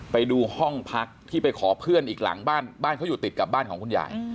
ไปดูห้องพักที่ไปขอเพื่อนอีกหลังบ้านบ้านเขาอยู่ติดกับบ้านของคุณยาย